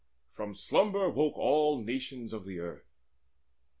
From slumber woke All nations of the earth.